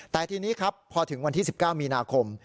แต่ทีนี้ครับพอถึงวันที่๑๙มีนาคม